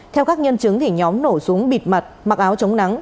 theo các nhân chứng nhóm nổ súng bịt mặt mặc áo chống nắng